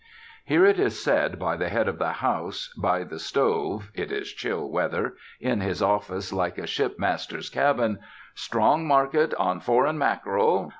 Here it is said by the head of the house, by the stove (it is chill weather) in his office like a shipmaster's cabin: "Strong market on foreign mackerel.